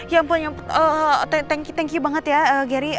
ya ampun thank you banget ya gary